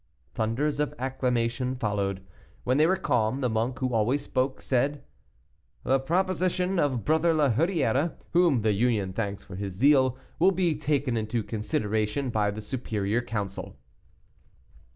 Thunders of acclamation followed. When they were calm, the monk who always spoke said, "The proposition of Brother la Hurière, whom the union thanks for his zeal, will be taken into consideration by the superior council."